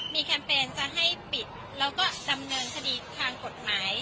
มีแคมเปญจะให้ปิดแล้วก็ดำเนินคดีทางกฎหมาย